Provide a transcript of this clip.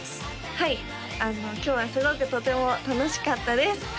はい今日はすごくとても楽しかったです